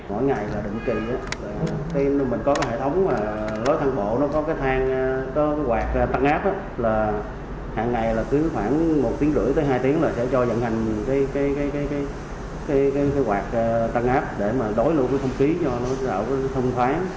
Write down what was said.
mỗi ngày là định kỳ khi mình có hệ thống lối thang bộ có quạt tăng áp hàng ngày khoảng một tiếng rưỡi tới hai tiếng sẽ dẫn hành quạt tăng áp để đối lưu với thông ký thông thoáng